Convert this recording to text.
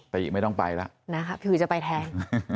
แต่อีกไม่ต้องไปแล้วนะครับพี่บุญจะไปแทน